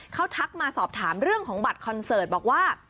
เขาทักมาสอบถามเรื่องของบัตรคอนเสิร์ตบอกว่า